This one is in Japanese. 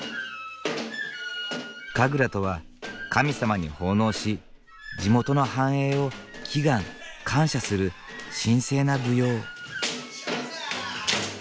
神楽とは神様に奉納し地元の繁栄を祈願感謝する神聖な舞踊。